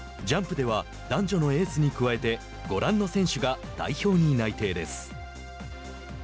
ジャンプでは男女のエースに加えてご覧の選手が代表に内定です。